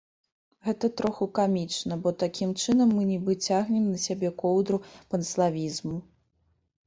Гэта троху камічна, бо такім чынам мы нібы цягнем на сябе коўдру панславізму.